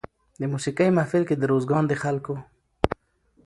د موسېقۍ محفل کې د روزګان د خلکو